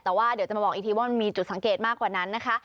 แต่ว่าเดี๋ยวจะมาบอกอีกทีว่ามันมีจุดสังเกตมากกว่านั้นนะคะ